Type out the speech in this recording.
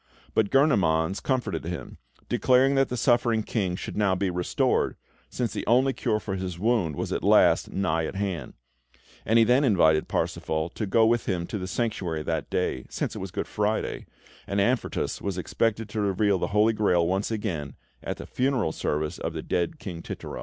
But Gurnemanz comforted him, declaring that the suffering King should now be restored, since the only cure for his wound was at last nigh at hand; and he then invited Parsifal to go with him to the Sanctuary that day, since it was Good Friday, and Amfortas was expected to reveal the Holy Grail once again at the funeral service of the dead King Titurel.